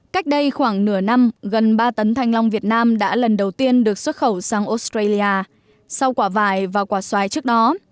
cách đây khoảng nửa năm gần ba tấn thanh long việt nam đã lần đầu tiên được xuất khẩu sang australia sau quả vải và quả xoài trước đó